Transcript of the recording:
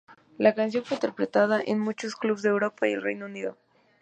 La canción fue interpretada en muchos clubs en Europa y el Reino Unido.